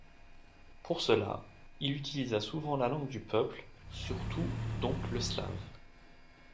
Pour cela, il utilisa souvent la langue du peuple, surtout donc le slave.